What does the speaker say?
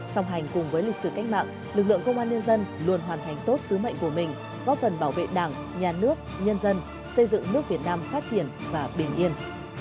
song hành cùng với lịch sử cách mạng lực lượng công an nhân dân luôn hoàn thành tốt sứ mệnh của mình góp phần bảo vệ đảng nhà nước nhân dân xây dựng nước việt nam phát triển và bình yên